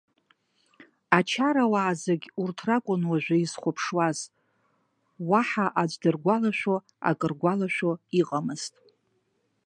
Ачарауаа зегь урҭ ракәын уажәы изхәаԥшуаз, уаҳа аӡәы дыргәалашәо, акы ргәалашәо иҟамызт.